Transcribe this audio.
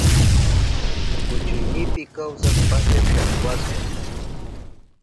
Kuchuynipi kawsak pasyak shamuwashka.